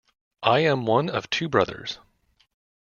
I am one of two brothers.